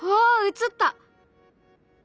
映った！